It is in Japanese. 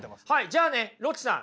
じゃあねロッチさん。